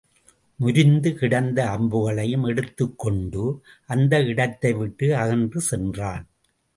முரிந்து கிடந்த அம்புகளையும் எடுத்துக்கொண்டு, அந்த இடத்தை விட்டு அகன்று சென்றான்.